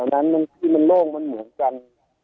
นั้นที่มันโล่งมันเหมือนกัน